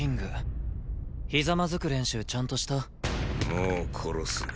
もう殺す。